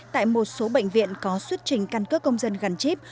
tại một số bệnh viện có xuất trình căn cước công dân gắn chip